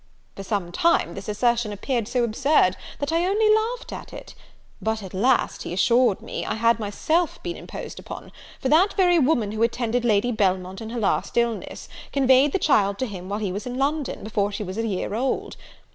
For some time this assertion appeared so absurd, that I only laughed at it: but, at last, he assured me, I had myself been imposed upon; for that very woman who attended Lady Belmont in her last illness, conveyed the child to him while he was in London, before she was a year old.